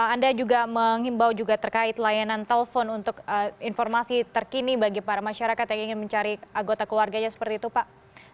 anda juga mengimbau juga terkait layanan telpon untuk informasi terkini bagi para masyarakat yang ingin mencari anggota keluarganya seperti itu pak